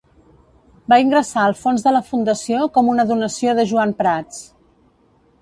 Va ingressar al fons de la fundació com una donació de Joan Prats.